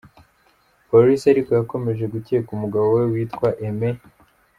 Polisi ariko yakomeje gukeka umugabo we witwa Aimé N.